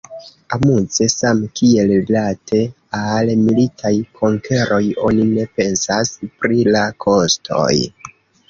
Amuze, same kiel rilate al militaj konkeroj oni ne pensas pri la kostoj.